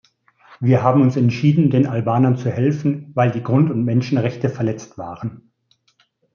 Wir haben uns entschieden, den Albanern zu helfen, weil die Grund- und Menschenrechte verletzt waren.